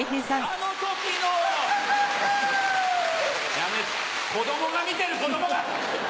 やめて子供が見てる子供が！